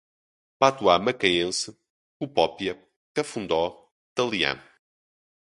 patuá macaense, cupópia, Cafundó, talian